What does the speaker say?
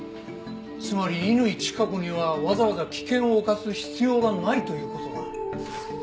つまり乾チカ子にはわざわざ危険を冒す必要がないという事だ。